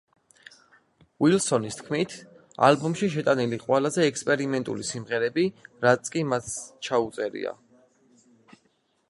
უილსონის თქმით, ალბომში შეტანილი ყველაზე ექსპერიმენტული სიმღერები, რაც კი მას ჩაუწერია.